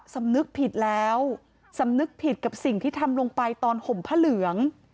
สำนึกผิดแล้วสำนึกผิดกับสิ่งที่ทำลงไปตอนห่มผ้าเหลือง